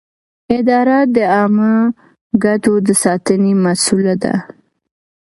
اداره د عامه ګټو د ساتنې مسووله ده.